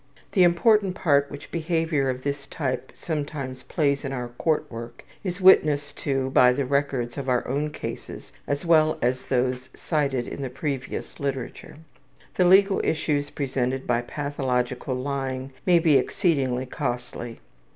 The important part which behavior of this type sometimes plays in court work is witnessed to by the records of our own cases as well as those cited in the previous literature. The legal issues presented by pathological lying may be exceedingly costly.